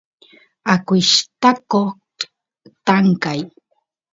akuyshtaqot tankay